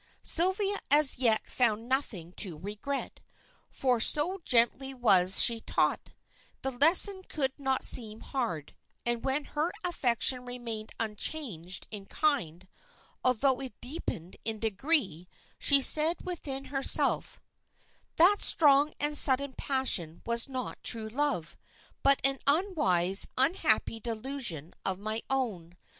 Sylvia as yet found nothing to regret, for so gently was she taught, the lesson could not seem hard, and when her affection remained unchanged in kind, although it deepened in degree, she said within herself "That strong and sudden passion was not true love, but an unwise, unhappy delusion of my own.